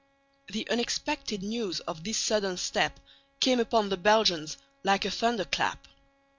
The unexpected news of this sudden step came upon the Belgians like a thunderclap.